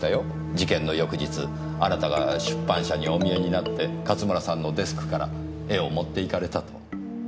事件の翌日あなたが出版社にお見えになって勝村さんのデスクから絵を持っていかれたと。